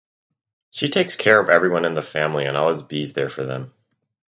She takes care of everyone in the family and always bees there for them.